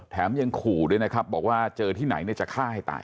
แถมยังขู่ด้วยนะครับบอกว่าเจอที่ไหนเนี่ยจะฆ่าให้ตาย